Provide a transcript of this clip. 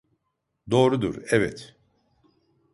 Doğrudur evet